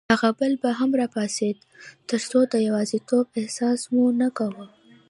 هغه بل به هم راپاڅېد، ترڅو د یوازیتوب احساس مو نه کاوه.